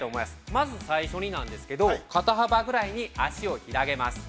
まず最初になんですけど、肩幅ぐらいに足を広げます。